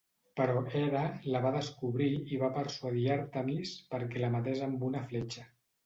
Però Hera la va descobrir i va persuadir Àrtemis perquè la matés amb una fletxa.